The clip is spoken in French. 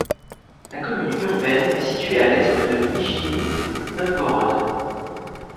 La commune urbaine est située à à l'est de Nijni Novgorod.